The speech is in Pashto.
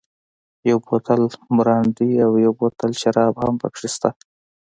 یو بوتل برانډي او یو بوتل شراب هم پکې شته.